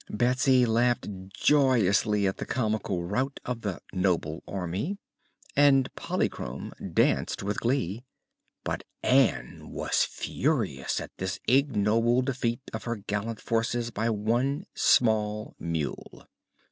Betsy laughed joyously at the comical rout of the "noble army," and Polychrome danced with glee. But Ann was furious at this ignoble defeat of her gallant forces by one small mule.